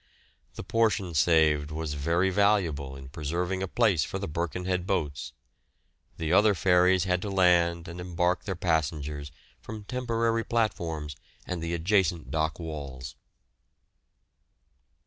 The portion salved was very valuable in preserving a place for the Birkenhead boats. The other ferries had to land and embark their passengers from temporary platforms and the adjacent dock walls.